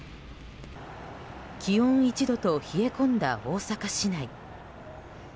気温１度と冷え込んだ大阪市内。